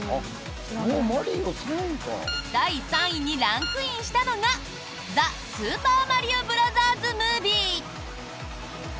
第３位にランクインしたのが「ザ・スーパーマリオブラザーズ・ムービー」。